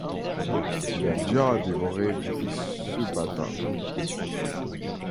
Il a déjà dévoré depuis ce batin